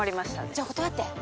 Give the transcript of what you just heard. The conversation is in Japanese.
じゃあ断って。